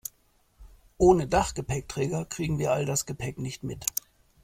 Ohne Dachgepäckträger kriegen wir all das Gepäck nicht mit.